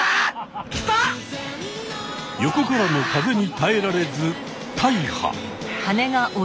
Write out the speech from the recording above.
横からの風にたえられず大破。